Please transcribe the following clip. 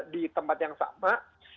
di tempat yang sama